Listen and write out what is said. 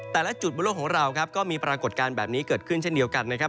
แต่ละจุดบนโลกของเราครับก็มีปรากฏการณ์แบบนี้เกิดขึ้นเช่นเดียวกันนะครับ